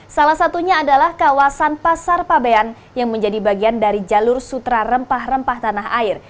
salah satunya adalah kawasan pasar pabean yang menjadi bagian dari jalur sutra rempah rempah tanah air